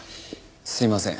すいません。